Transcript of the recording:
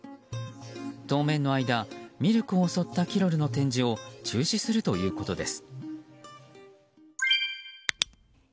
当面の間、ミルクを襲ったキロルの展示を中止するということです。